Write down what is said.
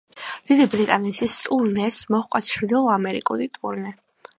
დიდი ბრიტანეთის ტურნეს მოჰყვა ჩრდილო ამერიკული ტურნე.